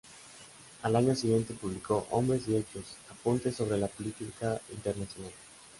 Al año siguiente publicó "Hombres y hechos: apuntes sobre la política internacional".